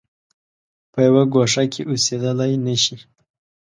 په یوه ګوښه کې اوسېدلای نه شي.